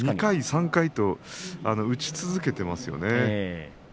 ２回３回と打ち続けていますよね。